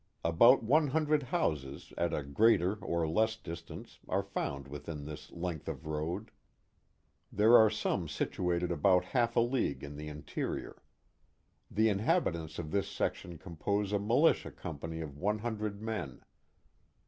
About one hundred houses at a greater or less distance are found within this length of road. There are some situated about half a league in the interior. The in habitants of this section compose a militia company of one hundred men.